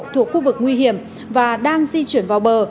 thuộc khu vực nguy hiểm và đang di chuyển vào bờ